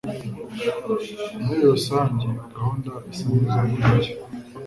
Muri rusange, gahunda isa neza kuri njye